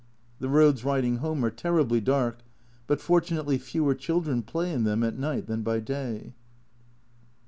The roads riding home are terribly dark, but fortunately fewer children play in them at night than by day.